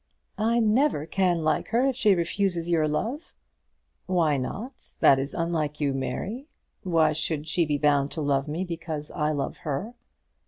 "I never can like her if she refuses your love." "Why not? That is unlike you, Mary. Why should she be bound to love me because I love her?"